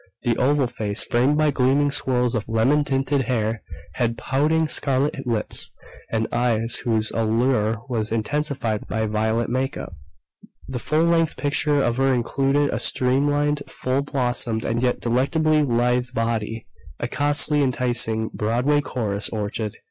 The oval face, framed by gleaming swirls of lemon tinted hair, had pouting scarlet lips, and eyes whose allure was intensified by violet make up. The full length picture of her included a streamlined, full blossomed and yet delectably lithe body. A costly, enticing, Broadway chorus orchid!